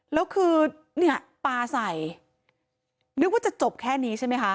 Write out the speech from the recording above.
แล้วคือเนี่ยปลาใส่นึกว่าจะจบแค่นี้ใช่ไหมคะ